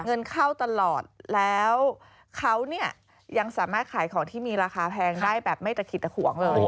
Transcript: เงินเข้าตลอดแล้วเขาเนี่ยยังสามารถขายของที่มีราคาแพงได้แบบไม่ตะขิดตะขวงเลย